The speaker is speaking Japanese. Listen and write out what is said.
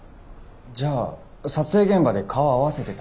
じゃあ撮影現場で顔を合わせてた？